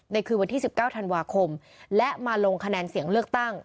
คืนวันที่๑๙ธันวาคมและมาลงคะแนนเสียงเลือกตั้ง